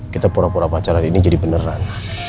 kita pura pura pacaran ini jadi beneran